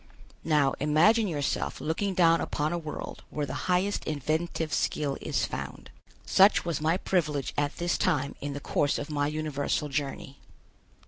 Now imagine yourself looking down upon a world where the highest inventive skill is found. Such was my privilege at this time in the course of my universal journey.